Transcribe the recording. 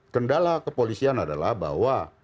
kendala kepolisian adalah bahwa